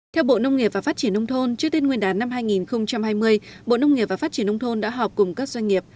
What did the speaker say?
theo bộ nông nghiệp và phát triển nông thôn trước tên nguyên đán năm hai nghìn hai mươi bộ nông nghiệp và phát triển nông thôn đã họp cùng các doanh nghiệp